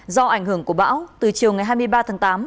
do ảnh hưởng của bão từ chiều ngày hai mươi ba tháng tám